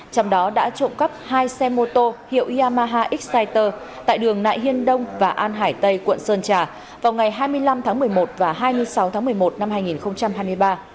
trong đó đã trộm cắp hai xe mô tô hiệu yamaha exciter tại đường nại hiên đông và an hải tây quận sơn trà vào ngày hai mươi năm tháng một mươi một và hai mươi sáu tháng một mươi một năm hai nghìn hai mươi ba